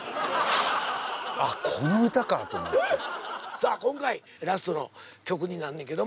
さあ今回ラストの曲になんねんけども。